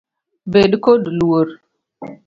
Bed kod luor .